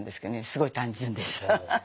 すごい単純でした。